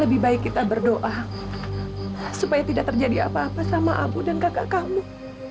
lebih baik kita berdoa supaya tidak terjadi apa apa sama abu dan kakak kamu